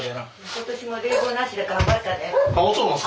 今年も冷房なしで頑張ったで。